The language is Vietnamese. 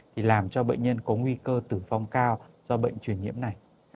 thì làm cho bệnh nhân có nguy cơ tử vong cao do bệnh truyền nhiễm này